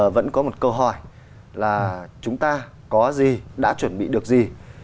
vẫn có một câu hỏi là chúng ta có gì đã chuẩn bị được gì